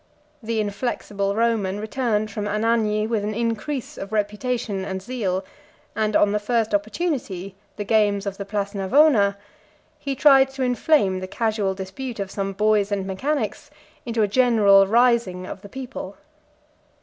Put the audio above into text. The inflexible Roman returned from Anagni with an increase of reputation and zeal; and, on the first opportunity, the games of the place Navona, he tried to inflame the casual dispute of some boys and mechanics into a general rising of the people.